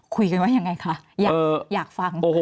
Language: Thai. คุยกันว่ายังไงคะอยากฟัง